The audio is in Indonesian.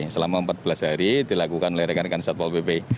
selama empat belas hari dilakukan oleh rekan rekan satpol pp